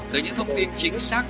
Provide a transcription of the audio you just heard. để những thông tin chính xác